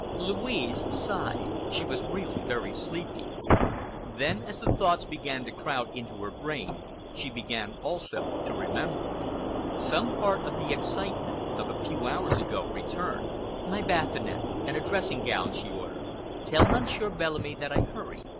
Louise sighed,—she was really very sleepy. Then, as the thoughts began to crowd into her brain, she began also to remember. Some part of the excitement of a few hours ago returned. "My bath, Annette, and a dressing gown," she ordered. "Tell Monsieur Bellamy that I hurry.